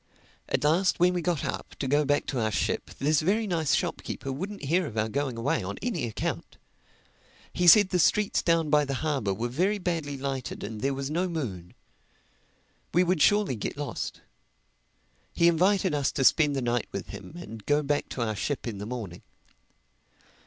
At last when we got up to go back to our ship, this very nice shopkeeper wouldn't hear of our going away on any account. He said the streets down by the harbor were very badly lighted and there was no moon. We would surely get lost. He invited us to spend the night with him and go back to our ship in the morning.